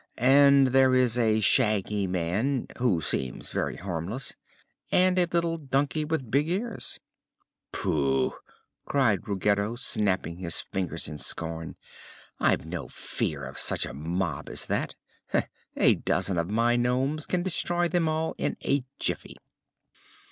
And there is a Shaggy Man who seems very harmless and a little donkey with big ears." "Pooh!" cried Ruggedo, snapping his fingers in scorn. "I've no fear of such a mob as that. A dozen of my nomes can destroy them all in a jiffy."